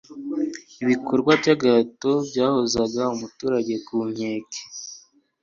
ibikorwa by'agahato byahozaga umuturage ku nkeke